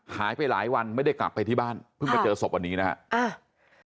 หายไปหลายวันไม่ได้กลับไปที่บ้านเพิ่งมาเจอศพวันนี้นะครับ